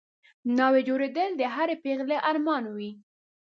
ناوې جوړېدل د هرې پېغلې ارمان وي